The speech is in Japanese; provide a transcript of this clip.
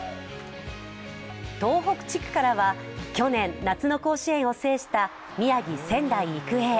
東北地区からは去年、夏の甲子園を制した宮城・仙台育英。